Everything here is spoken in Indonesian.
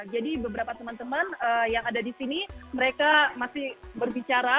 jadi beberapa teman teman yang ada di sini mereka masih berbicara